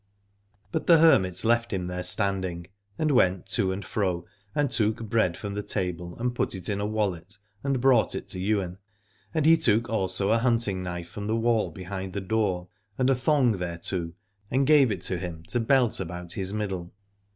But the hermit left him there standing, and went to and fro and took bread from the table and put it in a wallet and brought it to Ywain, and he took also a hunting knife from the wall behind the door, and a 44 Alad ore thong thereto, and gave it to him to belt about his middle.